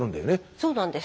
そうなんです。